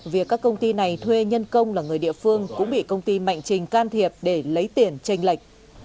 việc các công ty này thuê nhân công là người địa phương cũng bị công ty mạnh trình can thiệp để lấy tiền tranh lệch